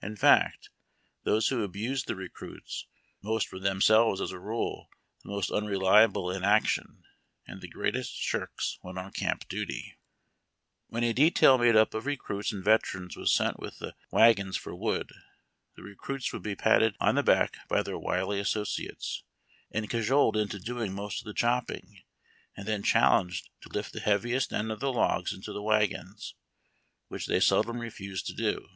In fact, those who abused the recruits most were themselves, as a rule, the most unreliable in action and the greatest shirks when on camp duty. A WOOD DETAIL. Wlien a detail made up of recruits and veterans was sent with the wagons for wood, the recruits would be patted on the back by their wily associates, and cajoled into doing most of the chopping, and then challenged to lift the heaviest end of the logs into the wagons, which they seldom refused to do.